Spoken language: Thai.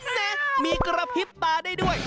แม้มีกระพริบตาได้ด้วย